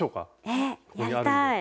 えっやりたい。